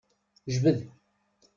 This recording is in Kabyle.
Jbed!